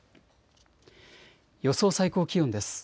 予想最高気温です。